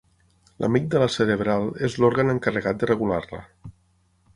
L'amígdala cerebral és l'òrgan encarregat de regular-la.